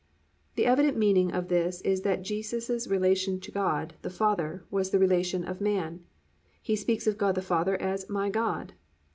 "+ The evident meaning of this is that Jesus Christ's relation to God, the Father, was the relation of man. He speaks of God the Father as "My God."